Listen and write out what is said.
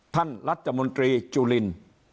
ท่านรัฐมนตรีจุลิน